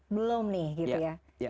belum nih gitu ya